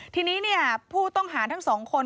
ทีนี้ผู้ต้องหาทั้งสองคน